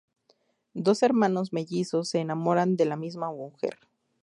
Dos hermanos mellizos se enamoran de la misma mujer.